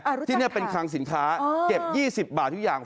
รู้จักค่ะที่นี่เป็นคางสินค้าเก็บ๒๐บาททุกอย่าง